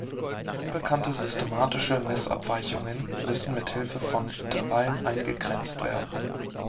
Unbekannte systematische Messabweichungen müssen mit Hilfe von Intervallen eingegrenzt werden.